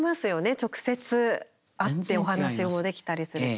直接会ってお話もできたりすると。